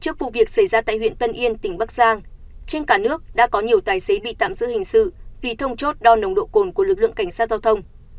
trước vụ việc xảy ra tại huyện tân yên tỉnh bắc giang trên cả nước đã có nhiều tài xế bị tạm giữ hình sự vì thông chốt đo nồng độ cồn của lực lượng cảnh sát giao thông